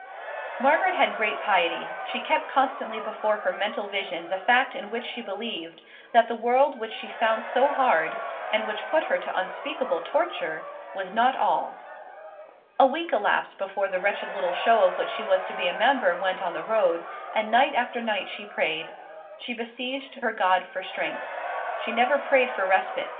Margaret had great piety. She kept constantly before her mental vision the fact in which she believed, that the world which she found so hard, and which put her to unspeakable torture, was not all. A week elapsed before the wretched little show of which she was to be a member went on the road, and night after night she prayed. She besieged her God for strength. She never prayed for respite.